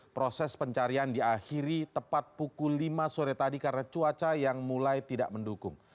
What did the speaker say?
proses pencarian diakhiri tepat pukul lima sore tadi karena cuaca yang mulai tidak mendukung